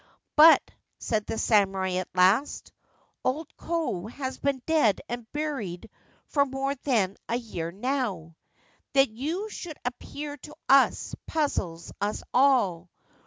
* But,' said the samurai at last, c O Ko has been dead and buried for more than a year now. That you should appear to us puzzles us all.